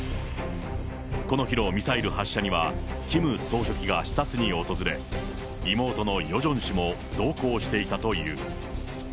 この日のミサイル発射には、キム総書記が視察に訪れ、妹のヨジョン氏も同行していたという。